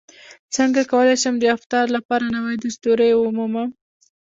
څنګه کولی شم د افتار لپاره نوې دستورې ومومم